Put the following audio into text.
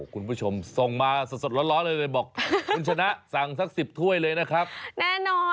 คุณผู้ชมทรงมาสดร้อนไปมาบอกว่าคุณฉนะสั่งสัก๑๐ถ้วยเลยนะคะ